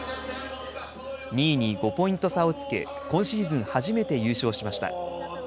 ２位に５ポイント差をつけ、今シーズン初めて優勝しました。